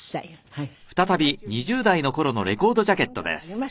はい。